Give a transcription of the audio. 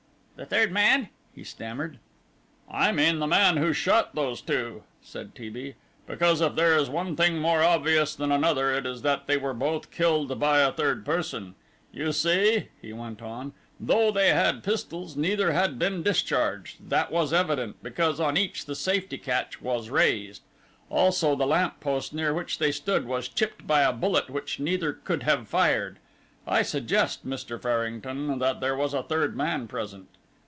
"The third man?" he stammered. "I mean the man who shot those two," said T. B., "because if there is one thing more obvious than another it is that they were both killed by a third person. You see," he went on, "though they had pistols neither had been discharged that was evident, because on each the safety catch was raised. Also the lamp post near which they stood was chipped by a bullet which neither could have fired. I suggest, Mr. Farrington, that there was a third man present.